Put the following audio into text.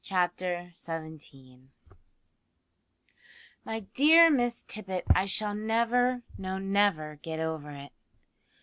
CHAPTER SEVENTEEN. HOME LIFE. "My dear Miss Tippet, I shall never, no never, get over it."